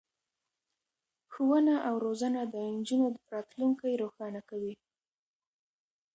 ښوونه او روزنه د نجونو راتلونکی روښانه کوي.